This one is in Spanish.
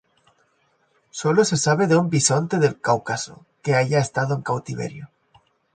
Solo se sabe de un bisonte del Cáucaso que haya estado en cautiverio.